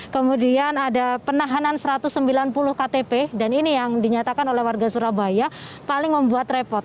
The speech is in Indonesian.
kemudian ada penahanan satu ratus sembilan puluh ktp dan ini yang dinyatakan oleh warga surabaya paling membuat repot